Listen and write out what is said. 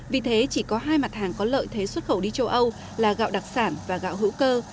vì thế chỉ có hai mặt hàng có lợi thế xuất khẩu đi châu âu là gạo đặc sản và gạo hữu cơ